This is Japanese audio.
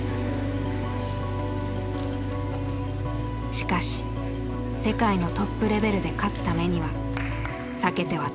しかし世界のトップレベルで勝つためには避けては通れません。